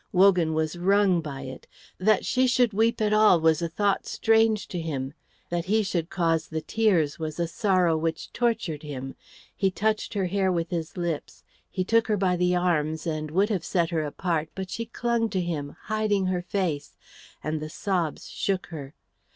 Wogan was wrung by it. That she should weep at all was a thought strange to him; that he should cause the tears was a sorrow which tortured him. He touched her hair with his lips, he took her by the arms and would have set her apart; but she clung to him, hiding her face, and the sobs shook her.